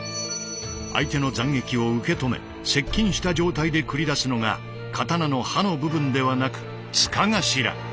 相手の斬撃を受け止め接近した状態で繰り出すのが刀の刃の部分ではなく柄頭。